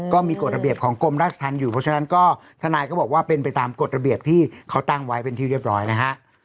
ก็มีกฎระเบียบของกรมราชธรรมอยู่เพราะฉะนั้นก็ทนายก็บอกว่าเป็นไปตามกฎระเบียบที่เขาตั้งไว้เป็นที่เรียบร้อยนะฮะ